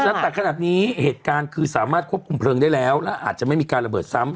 แต่ขนาดนี้เหตุการณ์คือสามารถควบคุมเพลิงได้แล้วและอาจจะไม่มีการระเบิดซ้ำ